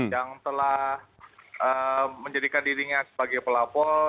yang telah menjadikan dirinya sebagai pelapor